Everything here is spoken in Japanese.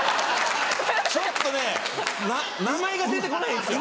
ちょっとね名前が出て来ないんですよ。